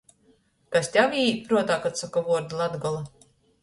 Kas tev īīt pruotā, kod soka vuordu Latgola?